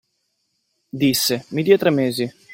Disse: "Mi dia tre mesi."